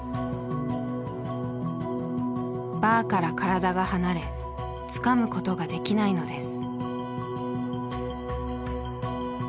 バーから体が離れつかむことができないのです。